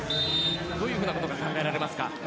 どういうふうなことが考えられますか？